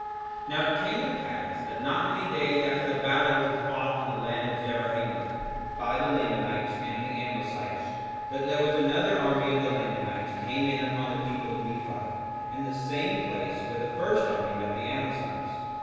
3:20 Now it came to pass that not many days after the battle which was fought in the land of Zarahemla, by the Lamanites and the Amlicites, that there was another army of the Lamanites came in upon the people of Nephi, in the same place where the first army met the Amlicites.